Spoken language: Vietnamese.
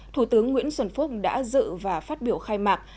thủ tướng nguyễn xuân phúc đã dự và phát biểu khai mạc